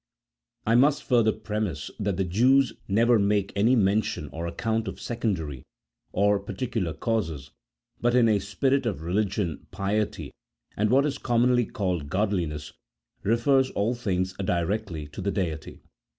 I must further premise that the Jews never make any men tion or account of secondary, or particular causes, but in a spirit of religion, piety, and what is commonly called godli ness, refer all things directly to the Deity.